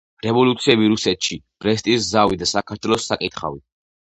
რევოლუციები რუსეთში. ბრესტის ზავი და საქართველოს საკითხავი